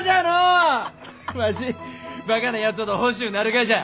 わしバカなやつほど欲しゅうなるがじゃ。